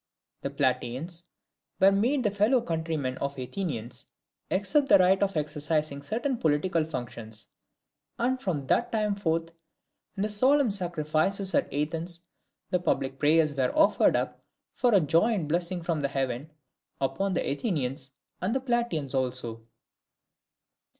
The Plataeans were made the fellow countrymen of the Athenians, except the right of exercising certain political functions; and from that time forth in the solemn sacrifices at Athens, the public prayers were offered up for a joint blessing from Heaven upon the Athenians, and the Plataeans also.